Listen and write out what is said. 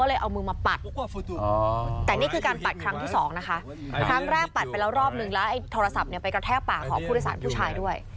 เลยเอามือมาปัดแต่นี่คือการปัดครั้งที่สองนะคะครั้งแรกปัดไปแล้วรอบนึงแล้วไอ้โทรศัพท์เนี่ยไปกระแทกปากของผู้โดยสารผู้ชายด้วย